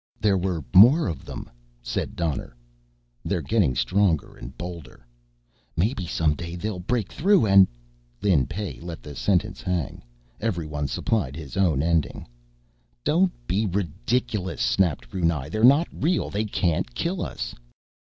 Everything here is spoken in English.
"There were more of them," said Donner. "They're getting stronger and bolder." "Maybe some day they'll break through, and...." Lin Pey let the sentence hang. Everyone supplied his own ending. "Don't be ridiculous!" snapped Brunei. "They're not real. _They can't kill us!